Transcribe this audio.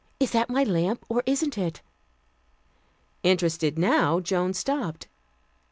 Is that my lamp, or isn't it?" Interested now, Joan stopped.